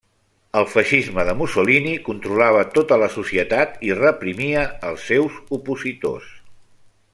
El feixisme de Mussolini controlava tota la societat i reprimia els seus opositors.